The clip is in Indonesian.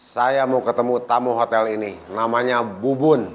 saya mau ketemu tamu hotel ini namanya bu bun